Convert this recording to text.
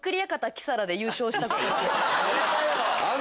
キサラで優勝したことがある。